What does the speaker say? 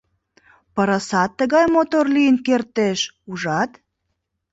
Пырысат тыгай мотор лийын кертеш, ужат?